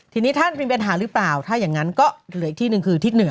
ทีนี้ท่านมีปัญหาหรือเปล่าถ้าอย่างนั้นก็เหลืออีกที่หนึ่งคือทิศเหนือ